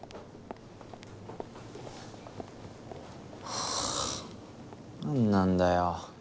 はあ何なんだよ。